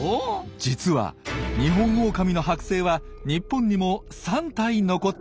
実はニホンオオカミのはく製は日本にも３体残っているんです。